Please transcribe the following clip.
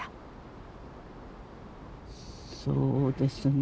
そうですね